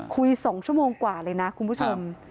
๒ชั่วโมงกว่าเลยนะคุณผู้ชม